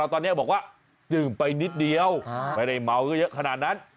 ตอนนี้บอกว่าดื่มไปนิดเดียวไม่ได้เมาก็เยอะขนาดนั้น